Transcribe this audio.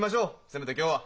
せめて今日は。